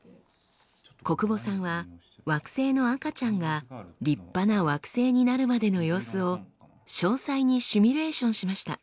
小久保さんは惑星の赤ちゃんが立派な惑星になるまでの様子を詳細にシミュレーションしました。